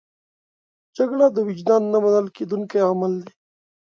جګړه د وجدان نه منل کېدونکی عمل دی